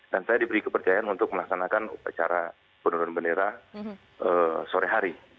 dan saya diberi kepercayaan untuk melaksanakan upacara penurunan bendera sore hari